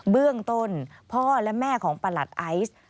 เบื้องต้นพ่อและแม่ของประหลัดไอซ์